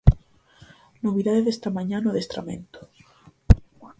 Novidade desta mañá no adestramento.